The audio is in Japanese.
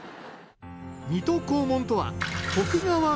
水戸黄門とは徳川光圀のこと。